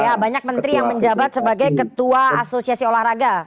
ya banyak menteri yang menjabat sebagai ketua asosiasi olahraga